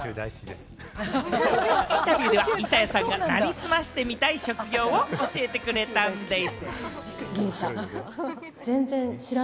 インタビューでは板谷さんがなりすましてみたい職業を教えてくれたんでぃす。